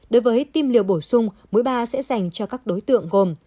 đối với tiêm liều bổ sung mũi ba sẽ dành cho các đối tượng gồm